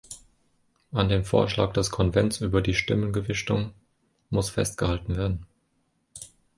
An dem Vorschlag des Konvents über die Stimmengewichtung muss festgehalten werden.